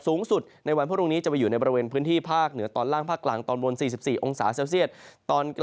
สูงสุดในวันพรุ่งนี้จะไปอยู่ในบริเวณพื้นที่ภาคเหนือตอนล่างภาคกลางตอนบน๔๔องศาเซลเซียต